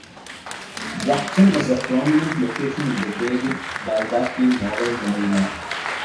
Brocton is a prominent location in the David Baldacci novel Memory Man.